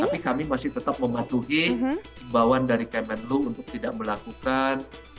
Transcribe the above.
tapi kami masih tetap mematuhi sembahwan dari kementerian luar negeri untuk tidak melakukan